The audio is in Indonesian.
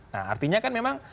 nah artinya kan memang